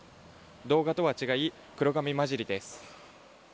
動画とは違い黒髪交じりです。